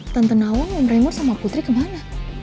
tante nawang yang remor sama putri kemana